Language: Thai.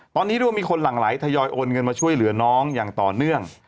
ตอนนี้เรียกว่ามีคนหลั่งไหลทยอยโอนเงินมาช่วยเหลือน้องอย่างต่อเนื่อง